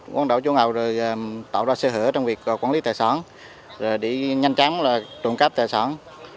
quấn đổ chỗ ngầu rồi tạo ra sơ hữu trong việc quản lý tài sản rồi đi nhanh chắn trộm cắp tài sản